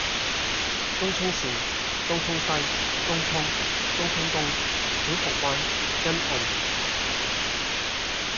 東涌綫：東涌西，東涌，東涌東，小蠔灣，欣澳，